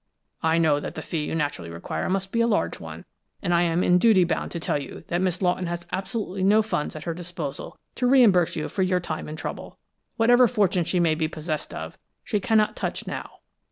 I know that the fee you naturally require must be a large one, and I am in duty bound to tell you that Miss Lawton has absolutely no funds at her disposal to reimburse you for your time and trouble. Whatever fortune she may be possessed of, she cannot touch now."